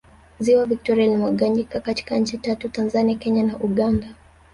ziwa victoria limegawanyika katika nchi tatu tanzania kenya na uganda